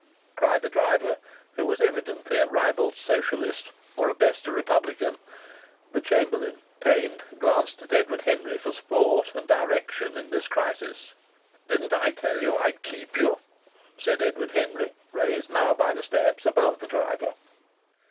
cried the driver, who was evidently a ribald socialist, or at best a republican. The chamberlain, pained, glanced at Edward Henry for support and direction in this crisis. "Didn't I tell you I'd keep you?" said Edward Henry, raised now by the steps above the driver.